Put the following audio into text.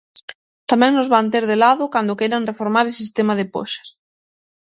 Tamén nos van ter de lado cando queiran reformar ese sistema de poxas.